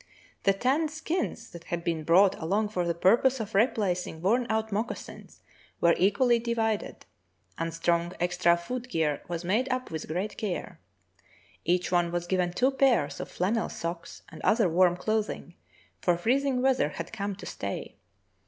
The tanned skins that had been brought along for the purpose of replacin;^ worn out moccasins were equally divided, and strong extra foot gear was made up with great care. Each one was given two pairs of flannel socks and other warm clothing, for freezing weather had come to stay.